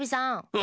あ！